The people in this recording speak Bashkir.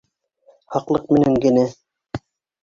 Һаҡлыҡ менән генә: